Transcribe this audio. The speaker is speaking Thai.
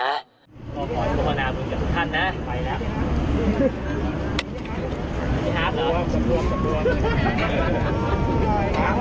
ขอขออนุญาตกับท่านนะ